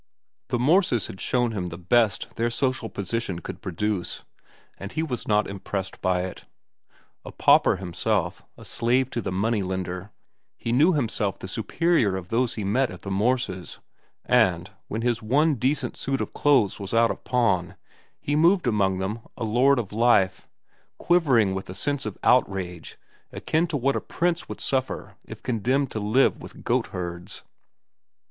The Morses had shown him the best their social position could produce, and he was not impressed by it. A pauper himself, a slave to the money lender, he knew himself the superior of those he met at the Morses'; and, when his one decent suit of clothes was out of pawn, he moved among them a lord of life, quivering with a sense of outrage akin to what a prince would suffer if condemned to live with goat herds.